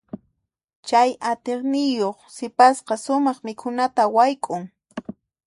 Chay atiyniyuq sipasqa sumaq mikhunata wayk'un.